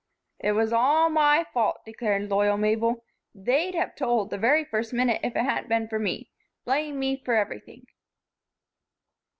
"It was all my fault," declared loyal Mabel. "They'd have told, the very first minute, if it hadn't been for me. Blame me for everything."